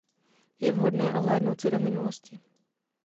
Je vhodné ohlédnout se do minulosti.